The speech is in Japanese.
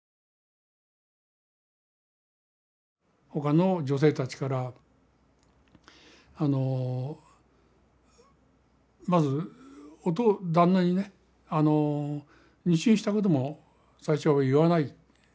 他の女性たちからあのまず旦那にねあの妊娠したことも最初は言わない。